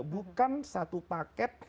itu adalah satu paket